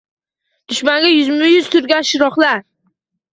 Dushmanga yuzma-yuz turgan shiroqlar.